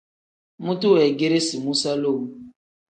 Mutu weegeresi muusa lowu.